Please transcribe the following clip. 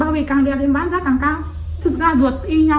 bao vị càng đẹp em bán giá càng cao thực ra vượt y nhau